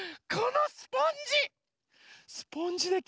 このスポンジ！